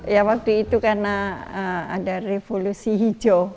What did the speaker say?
ya waktu itu karena ada revolusi hijau